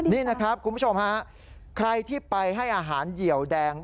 นี่นะครับคุณผู้ชมฮะใครที่ไปให้อาหารเหยียวแดง